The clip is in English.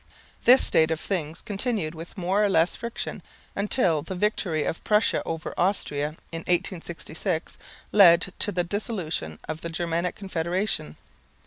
This state of things continued with more or less friction, until the victory of Prussia over Austria in 1866 led to the dissolution of the Germanic confederation.